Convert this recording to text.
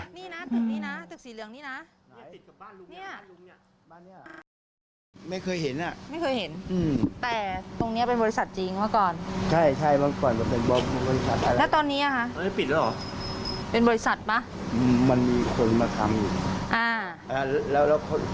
แล้วเราก็เลิกแล้วน่าจะอ๋อเลิกไปแล้ว